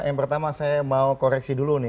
yang pertama saya mau koreksi dulu nih